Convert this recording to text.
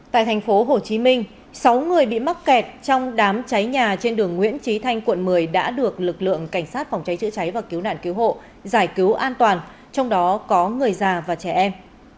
tại thành phố hồ chí minh sáu người bị mắc kẹt trong đám cháy nhà trên đường nguyễn trí thanh quận một mươi đã được lực lượng cảnh sát phòng cháy chữa cháy và cứu nạn cứu hộ giải cứu an toàn trong đó có người già và trẻ em